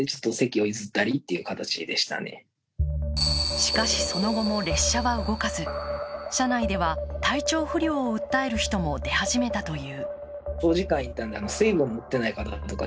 しかし、その後も列車は動かず、車内では体調不良を訴える人も出始めたという。